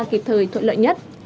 kịp thời thuận lợi nhất